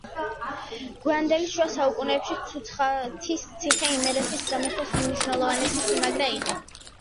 გვიანდელი შუა საუკუნეებში ცუცხვათის ციხე იმერეთის სამეფოს უმნიშვნელოვანესი სიმაგრე იყო.